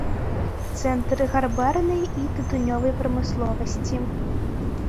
Цэнтр гарбарнай і тытунёвай прамысловасці.